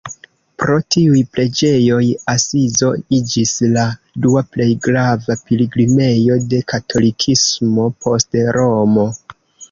Pro tiuj preĝejoj Asizo iĝis la dua plej grava pilgrimejo de katolikismo post Romo.